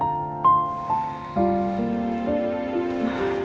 jangan lupa untuk berlangganan